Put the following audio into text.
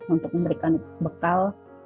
untuk memberikan bekal